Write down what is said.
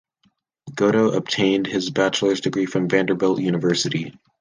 Gotto obtained his bachelor's degree from Vanderbilt University.